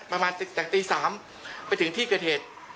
ประมาณจากตี๓ไปถึงที่กระเทศ